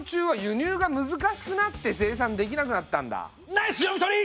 ナイス読み取り！